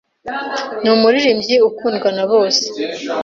Ni umuririmbyi ukundwa na bose.